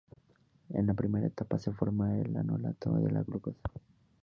En la primera etapa se forma el enolato de la glucosa.